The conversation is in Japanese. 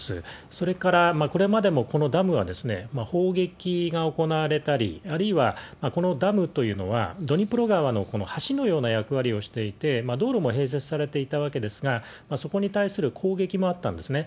それから、これまでもこのダムは、砲撃が行われたり、あるいはこのダムというのは、ドニプロ川のこの橋のような役割をしていて、道路も併設されていたわけですが、そこに対する攻撃もあったんですね。